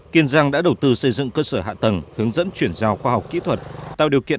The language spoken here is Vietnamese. kiên giang đã đầu tư xây dựng cơ sở hạ tầng hướng dẫn chuyển giao khoa học kỹ thuật